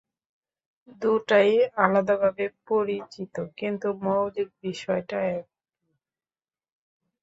দুটাই আলাদাভাবে পরিচিত, কিন্তু মৌলিক বিষয়টা একই।